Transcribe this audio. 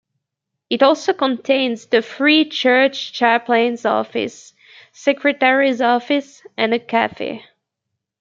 It also contains the Free Church Chaplains' office, Secretary's office and a Cafe.